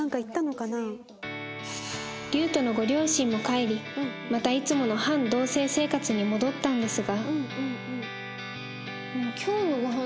リュウトのご両親も帰りまたいつもの半同棲生活に戻ったんですが